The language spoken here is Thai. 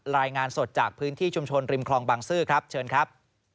รายงานสดจากพื้นที่ชุมชนริมคลองบางซื่อครับเชิญครับ